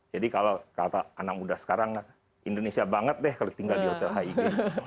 jadi kalau kata anak muda sekarang indonesia banget deh kalau tinggal di hotel hig